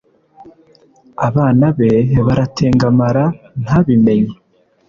abana be baratengamara, ntabimenye